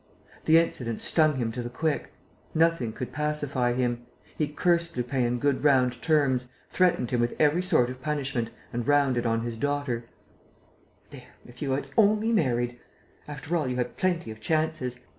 The incident stung him to the quick. Nothing could pacify him. He cursed Lupin in good round terms, threatened him with every sort of punishment and rounded on his daughter: "There, if you had only married!... After all you had plenty of chances.